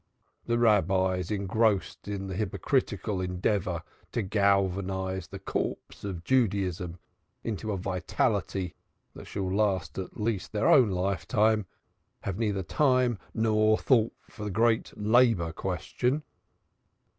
The Rabbis engrossed in the hypocritical endeavor to galvanize the corpse of Judaism into a vitality that shall last at least their own lifetime, have neither time nor thought for the great labor question.